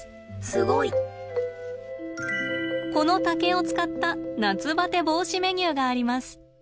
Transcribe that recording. この竹を使った夏バテ防止メニューがあります。